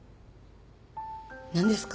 何ですか？